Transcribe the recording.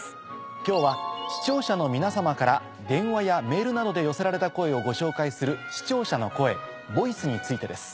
今日は視聴者の皆様から電話やメールなどで寄せられた声をご紹介する視聴者の声「ＶＯＩＣＥ」についてです。